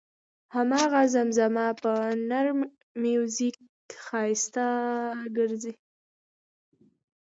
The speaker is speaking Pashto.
هماغه زمزمه په نر میوزیک ښایسته ګرځي.